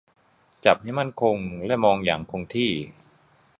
จับให้มั่นคงและมองอย่างคงที่